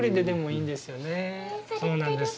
そうなんです。